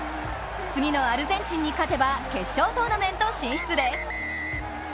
次のアルゼンチンに勝てば決勝トーナメント進出です。